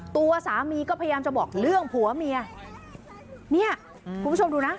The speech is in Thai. ตัวสามีก็พยายามจะบอกเรื่องผัวเมียเนี่ยคุณผู้ชมดูนะ